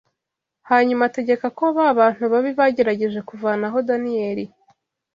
Hanyuma ategeka ko ba bantu babi bagerageje kuvanaho Daniyeli